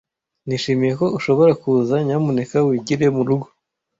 Nishimiye ko ushobora kuza. Nyamuneka wigire murugo.